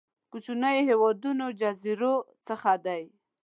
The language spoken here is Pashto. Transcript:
کوچنيو هېوادونو جزيرو څخه دي.